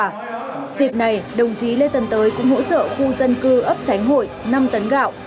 dịp này đồng chí lê tân tới cũng hỗ trợ khu dân cư ấp tránh hội năm tấn gạo